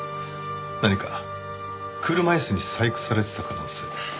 何か車椅子に細工されてた可能性。